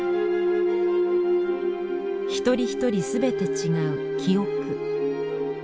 一人一人すべて違う記憶。